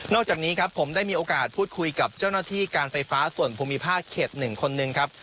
อกจากนี้ครับผมได้มีโอกาสพูดคุยกับเจ้าหน้าที่การไฟฟ้าส่วนภูมิภาคเขต๑คนหนึ่งครับ